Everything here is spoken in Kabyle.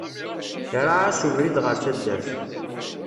Iraε-as ubrid ɣer taddart.